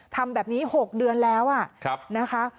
ทำแบบนี้๖เดือนแล้วนะคะ